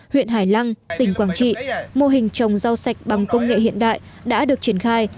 huyện hải lăng tỉnh quảng trị mô hình trồng rau sạch bằng công nghệ hiện đại đã được triển khai